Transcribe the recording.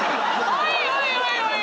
おいおいおいおい。